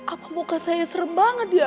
aku muka saya serem banget ya